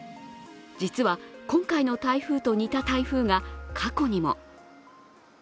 実は今回の台風と似た台風が過去にも。